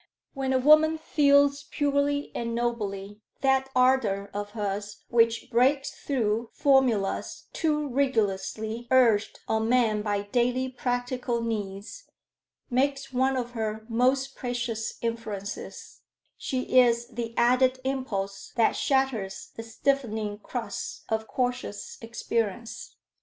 When a woman feels purely and nobly, that ardor of hers which breaks through formulas too rigorously urged on men by daily practical needs, makes one of her most precious influences: she is the added impulse that shatters the stiffening crust of cautious experience.